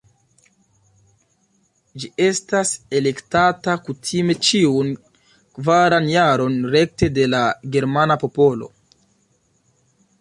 Ĝi estas elektata kutime ĉiun kvaran jaron rekte de la germana popolo.